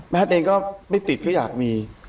แม่นเน่นไม่ติดก็อยากมี